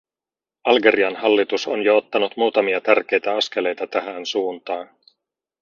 Algerian hallitus on jo ottanut muutamia tärkeitä askeleita tähän suuntaan.